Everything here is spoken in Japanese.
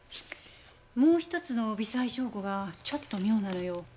もう一つの微細証拠がちょっと妙なのよ。